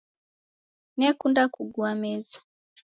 Nekunda kugua meza